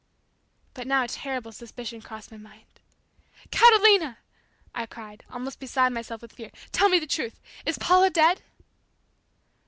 But now a terrible suspicion crossed my mind. "Catalina," I cried, almost beside myself with fear, "tell me the truth! Is Paula dead?"